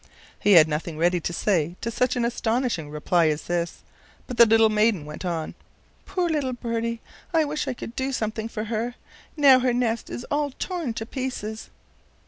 He had nothing ready to say to such an astonishing reply as this, but the little maiden went on: "Poor little birdie! I wish I could do something for her. Now her nest is all torn to pieces."